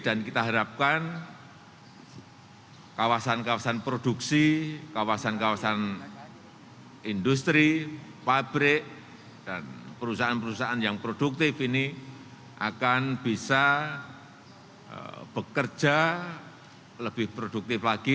dan kita harapkan kawasan kawasan produksi kawasan kawasan industri pabrik dan perusahaan perusahaan yang produktif ini akan bisa bekerja lebih produktif lagi